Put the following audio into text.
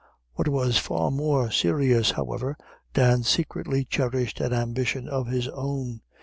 What was far more serious, however, Dan secretly cherished an ambition of his own.